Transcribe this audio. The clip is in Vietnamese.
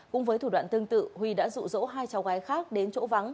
cùng với thủ đoạn tương tự huy đã dụ dỗ hai cháu gái khác đến chỗ vắng